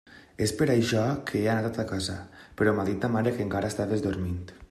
És per això que he anat a ta casa, però m'ha dit ta mare que encara estaves dormint.